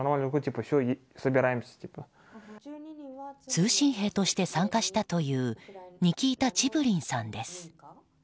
通信兵として参加したというニキータ・チブリンさんです。